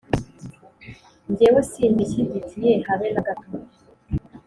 :Ngewe simbishyigikiye habe nagato